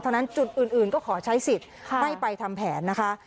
จุดนั้นจุดอื่นก็ขอใช้สิทธิ์ให้ไปทำแผนนะคะ